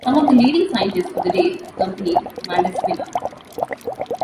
Some of the leading scientists of the day accompanied Malaspina.